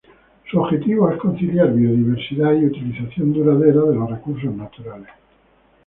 Su objetivo es conciliar biodiversidad y utilización duradera de los recursos naturales.